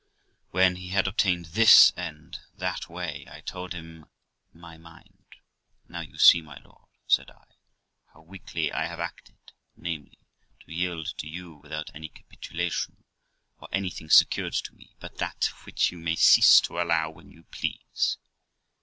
When he had obtained his end that way, I told him my mind. 'Now you see, my lord', said I, 'how weakly I have acted, namely, to yield to you without any capitulation, or anything secured to me but that which you may cease to allow when you please.